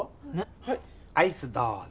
はいアイスどうぞ！